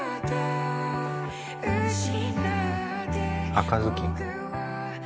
赤ずきん。